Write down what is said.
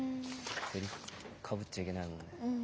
セリフかぶっちゃいけないもんね。